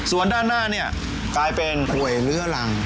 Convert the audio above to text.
ส่วนด้านหน้าเนี่ยกลายเป็นป่วยเลื้อรัง